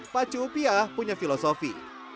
pacu upiah punya filosofi